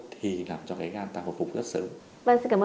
thì làm cho cái gan ta có phục rất sớm